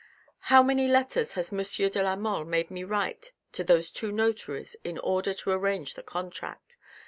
How many letters has M. de la Mole made me write to the two notaries in order to arrange the contract